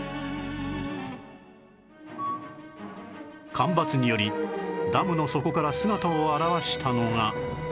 干ばつによりダムの底から姿を現したのが